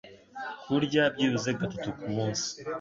Kurya byibuze gatatu ku munsi